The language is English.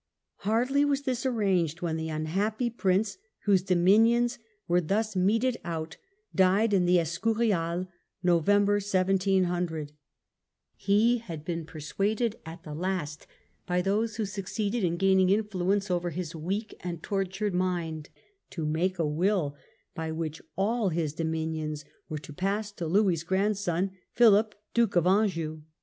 Hardly was this arranged when the unhappy prince, whose dominions were thus meted out, died in the Escu rial, November, 1700. He had been per paiiureof suaded at the last, by those who succeeded in wmiam's gaining influence over his weak and tortured P°^^y mind, to make a will, by which all his dominions were to pass to Louis' grandson, Philip, Duke of Anjou.